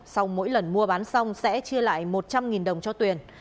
sau mỗi lần mua bán xong sẽ chia lại một trăm linh đồng cho tuyền